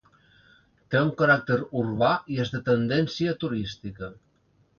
Té un caràcter urbà i és de tendència turística.